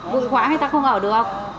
bụi khóa người ta không ở được